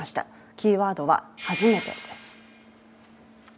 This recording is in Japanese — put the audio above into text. キーワードは「初めて」です。